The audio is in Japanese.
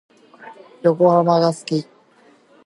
横浜が好き。